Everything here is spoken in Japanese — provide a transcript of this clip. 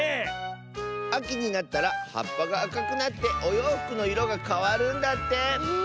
あきになったらはっぱがあかくなっておようふくのいろがかわるんだって！